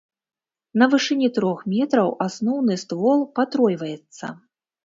На вышыні трох метраў асноўны ствол патройваецца.